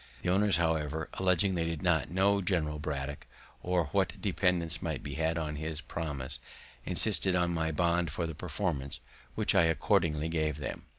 The owners, however, alleging they did not know General Braddock, or what dependence might be had on his promise, insisted on my bond for the performance, which I accordingly gave them.